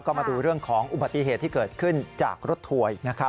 ก็มาดูเรื่องของอุบัติเหตุที่เกิดขึ้นจากรถทัวร์อีกนะครับ